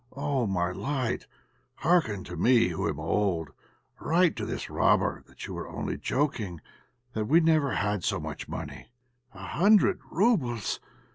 Oh! my light, hearken to me who am old; write to this robber that you were only joking, that we never had so much money. A hundred roubles!